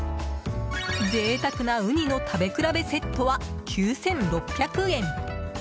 贅沢なウニの食べ比べセットは９６００円。